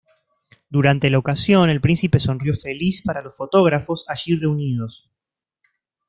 Durante la ocasión, el príncipe sonrió feliz para los fotógrafos allí reunidos.